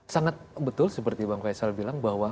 sangat betul seperti bang faisal bilang bahwa